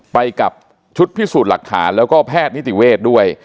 ไปกับชุดพิสูจน์หลักฐานแล้วก็แพทย์นิติเวทย์ด้วย